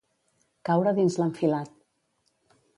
Caure dins l'enfilat.